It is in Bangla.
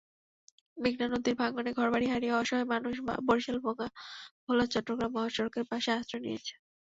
মেঘনা নদীর ভাঙনে ঘরবাড়ি হারিয়ে অসহায় মানুষ বরিশাল-ভোলা-চট্টগ্রাম মহাসড়কের পাশে আশ্রয় নিয়েছে।